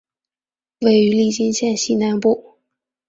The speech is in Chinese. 位于利津县西南部。